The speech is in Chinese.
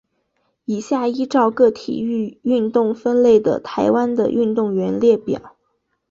以下依照各体育运动分类的台湾的运动员列表。